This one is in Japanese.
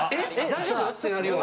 大丈夫？」ってなるような。